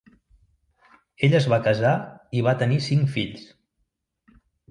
Ell es va casar i va tenir cinc fills.